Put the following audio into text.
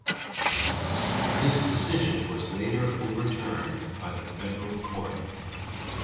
This decision was later overturned by the Federal Court.